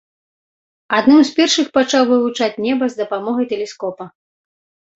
Адным з першых пачаў вывучаць неба з дапамогай тэлескопа.